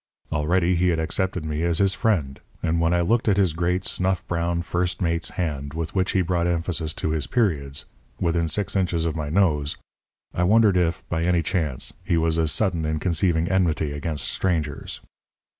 Already he had accepted me as his friend; and when I looked at his great, snuff brown first mate's hand, with which he brought emphasis to his periods, within six inches of my nose, I wondered if, by any chance, he was as sudden in conceiving enmity against strangers.